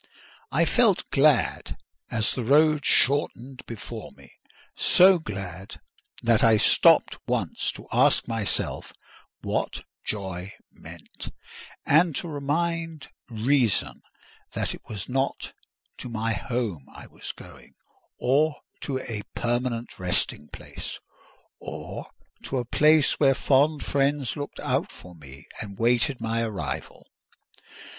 I felt glad as the road shortened before me: so glad that I stopped once to ask myself what that joy meant: and to remind reason that it was not to my home I was going, or to a permanent resting place, or to a place where fond friends looked out for me and waited my arrival.